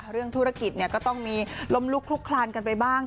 เรื่องธุรกิจก็ต้องมีล้มลุกลุกคลานกันไปบ้าง